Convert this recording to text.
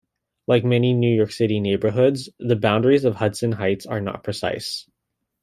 Like many New York City neighborhoods, the boundaries of Hudson Heights are not precise.